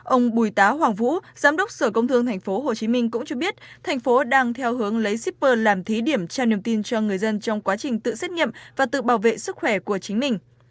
ông bùi tá hoàng vũ giám đốc sở công thương tp hcm cũng cho biết thành phố đang theo hướng lấy shipper làm thí điểm tra niềm tin cho người dân trong quá trình tự xét nghiệm và tự bảo vệ sức khỏe của chính mình